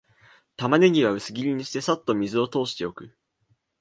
タマネギは薄切りにして、さっと水を通しておく